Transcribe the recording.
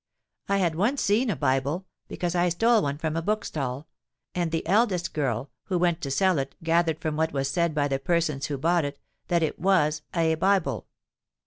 I had once seen a Bible, because I stole one from a book stall; and the eldest girl, who went to sell it, gathered from what was said by the person who bought it, that it was a Bible.